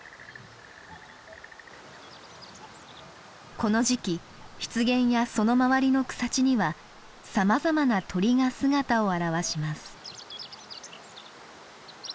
この時期湿原やその周りの草地にはさまざまな鳥が姿を現します。